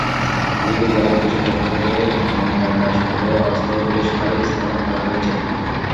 এদিকে জেলা পুলিশের পক্ষ থেকে গঙ্গাদাসপুরে অস্থায়ী পুলিশ ফাঁড়ি স্থাপন করা হয়েছে।